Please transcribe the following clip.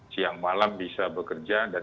siang malam bisa bekerja dan